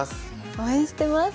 応援してます。